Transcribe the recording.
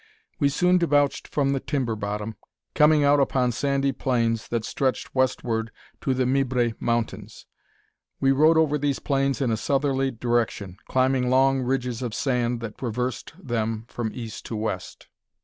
We soon debouched from the timber bottom, coming out upon sandy plains that stretched westward to the Mibres Mountains. We rode over these plains in a southerly direction, climbing long ridges of sand that traversed them from east to west.